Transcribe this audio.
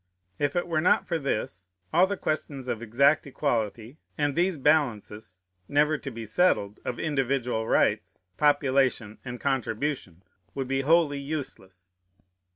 If it were not for this, all the questions of exact equality, and these balances, never to be settled, of individual rights, population, and contribution, would be wholly useless.